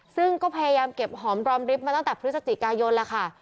ซึ่งก็พยายามเก็บหอมรอมริบมาตั้งแต่พฤศจิกายนแล้วค่ะ